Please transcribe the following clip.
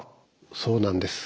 そうなんです。